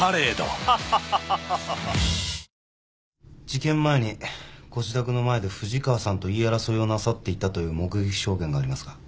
事件前にご自宅の前で藤川さんと言い争いをなさっていたという目撃証言がありますが。